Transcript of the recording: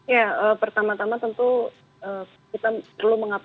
ya pertama tama tentu kita perlu mengapresiasi